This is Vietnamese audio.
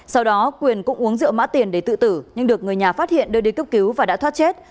sau đó quyền cũng uống rượu mã tiền để tự tử nhưng được người nhà phát hiện đưa đi cấp cứu và đã thoát chết